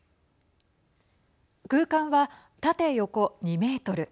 空間は縦横２メートル。